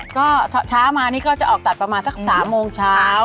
ก็เช้ามานี่ก็จะออกตัดประมาณสัก๓โมงเช้า